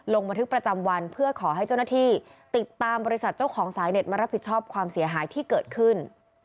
ลงบันทึกประจำวันเพื่อขอให้เจ้าหน้าที่ติดตามบริษัทเจ้าของสายเน็ตมารับผิดชอบความเสียหายที่เกิดขึ้น